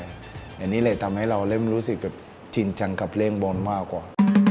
อย่างนี้เลยทำให้เรารู้สึกจริงจังกับเล่นบอลมากกว่า